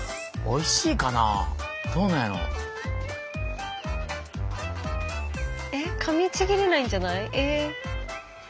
おいしいかなどうなんやろう。えっかみちぎれないんじゃない？え。